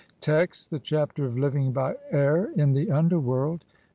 Text : (1) The Chapter of living by air in the under world.